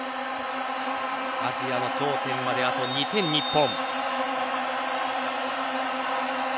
アジアの頂点まであと２点日本。